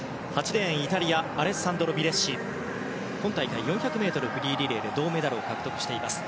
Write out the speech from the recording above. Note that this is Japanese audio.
８レーンのイタリア選手は今大会４００ｍフリーリレーで銅メダルを獲得しています。